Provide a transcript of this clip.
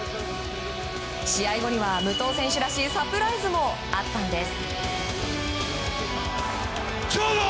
試合後には、武藤選手らしいサプライズもあったんです。